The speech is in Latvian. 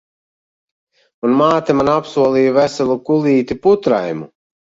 Un māte man apsolīja veselu kulīti putraimu.